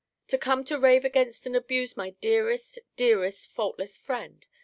To come to rave against and abuse my dearest, dearest, faultless friend!